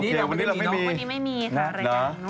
วันนี้เราไม่มีนะรายการเนอะโอเคนะ